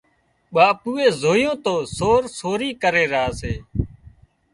ٻاپوئي زويون تو سور سوري ڪري را سي